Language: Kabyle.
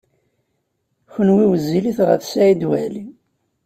Kenwi wezzilit ɣef Saɛid Waɛli.